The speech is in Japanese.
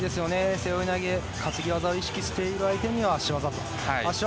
背負い投げ、担ぎ技を意識している相手には足技。